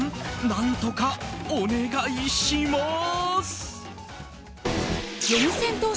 何とかお願いします！